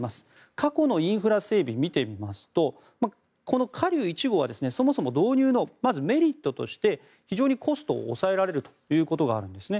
過去のインフラ整備を見てみますと華竜１号はそもそも導入のメリットとして非常にコストを抑えられるということがあるんですね。